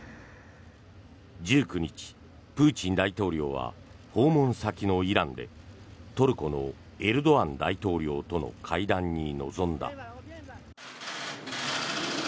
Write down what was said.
１９日、プーチン大統領は訪問先のイランでトルコのエルドアン大統領との会談に臨んだ。